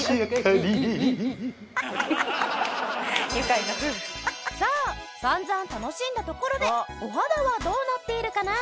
愉快な夫婦」さあ散々楽しんだところでお肌はどうなっているかな？